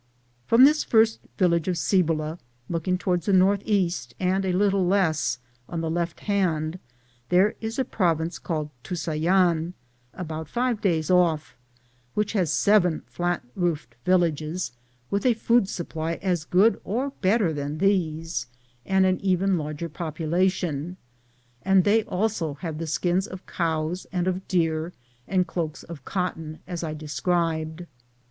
From this first village of Cibola, looking to ward the northeast and a little less, on the left hand, there is a province called Tucayan, about five days off, which has seven flat roof villages, with a food supply as good as or better than these, and an even larger am Google THE JOURNEY OF OOHONADO population ; and they also have the skins of cows and of deer, and cloaks of cotton, as I described.